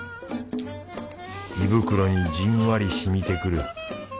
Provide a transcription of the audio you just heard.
胃袋にじんわりしみてくる。